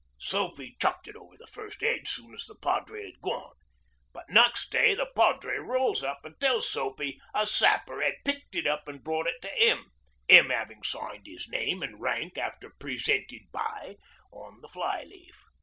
Soapy chucked it over the first 'edge soon as the padre 'ad gone, but next day the padre rolls up and tells Soapy a Sapper 'ad picked it up and brought it to 'im 'im 'avin' signed 'is name an' rank after "Presented by " on the fly leaf.